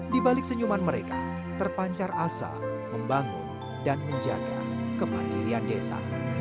di balik senyuman mereka terpancar asa membangun dan menjaga kemandirian desa